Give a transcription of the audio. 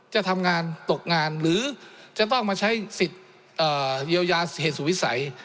จะทำงานตกงานหรือจะต้องมาใช้สิทธิ์เยียวยาเหตุสุวิสัย